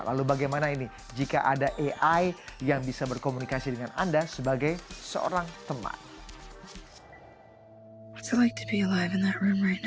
lalu bagaimana ini jika ada ai yang bisa berkomunikasi dengan anda sebagai seorang teman